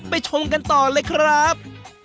ชมกันต่อเลยครับ